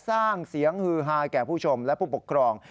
สร้างเสียงฮือฮาแก่ผู้ชมและผู้ปกครอง